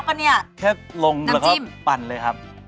แค่ลงหรือคะลงผันเลยครับ